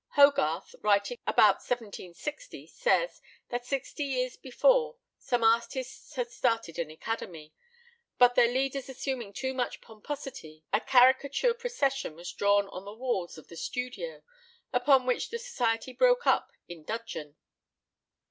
Hogarth, writing about 1760, says, that sixty years before some artists had started an academy, but their leaders assuming too much pomposity, a caricature procession was drawn on the walls of the studio, upon which the society broke up in dudgeon.